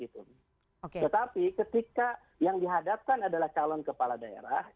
tetapi ketika yang dihadapkan adalah calon kepala daerah